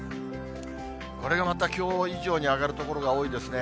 これがまたきょう以上に上がる所が多いですね。